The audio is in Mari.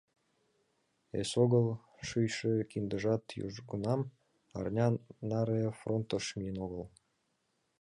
Эсогыл шӱйшӧ киндыжат южгунам арня наре фронтыш миен огыл.